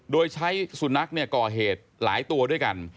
โดยใช้สุนัขก่อเหตุหลายตัวด้วยกัน